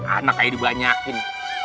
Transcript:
anak kayak dibanyakin